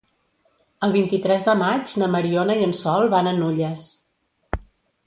El vint-i-tres de maig na Mariona i en Sol van a Nulles.